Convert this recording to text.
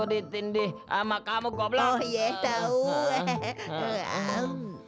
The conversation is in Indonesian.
ditindih ama kamu goblong ya tahu hehehe